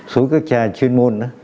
số các cha chuyên môn